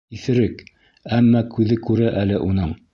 Иҫерек, әммә күҙе күрә әле уның!